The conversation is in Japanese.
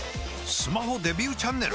スマホデビューチャンネル！？